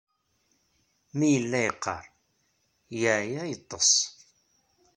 Mi yella yeqqar, yeɛya, yeḍḍes.